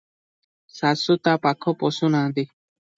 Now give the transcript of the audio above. ଶାଶୁ ତ ପାଖ ପଶୁ ନାହାନ୍ତି ।